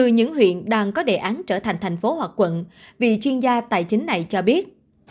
một mươi những huyện đang có đề án trở thành thành phố hoặc quận vì chuyên gia tài chính này cho biết